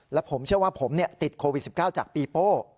และผมเชื่อว่าผมติดโควิด๑๙จากปีโป้